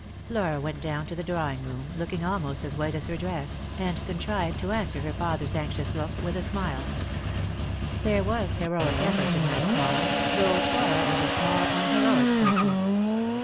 Flora went down to the drawing room, looking almost as white as her dress, and contrived to answer her father's anxious look with a smile. There was heroic effort in that smile, though Flora was a small unheroic peison.